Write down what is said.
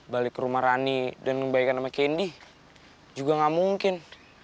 balik ke rumah rani dan membaikkan sama kendi juga gak mungkin